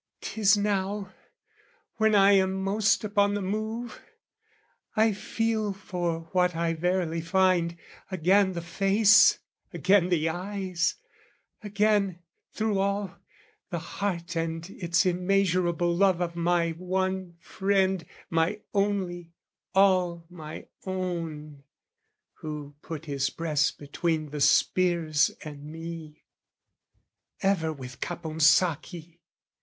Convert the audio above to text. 'Tis now, when I am most upon the move, I feel for what I verily find again The face, again the eyes, again, through all, The heart and its immeasurable love Of my one friend, my only, all my own, Who put his breast between the spears and me. Ever with Caponsacchi!